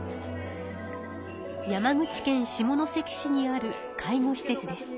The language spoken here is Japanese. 山口県下関市にある介護施設です。